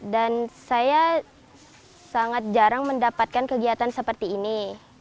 dan saya sangat jarang mendapatkan kegiatan seperti ini